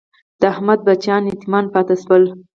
د احمد بچیان یتیمان پاتې شول.